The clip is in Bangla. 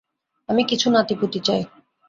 আমি কিছু নাতি-পুতি চাই!